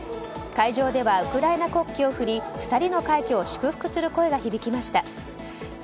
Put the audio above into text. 会場ではウクライナ国旗を振り２人の快挙を祝福する声が響きました。